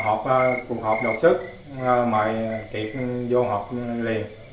đảm quý có tổ chức cuộc họp độc sức mời kiệt vô họp liền